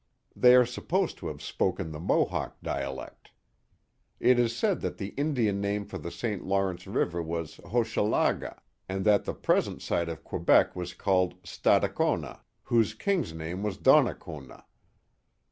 They are supposed to have spoken the Mohawk dialect. It is said that the Indian name for the St. Lawrence River was Hochelaga, and that the present site of Quebec was called Stadacona, whose king's name was Donnacona.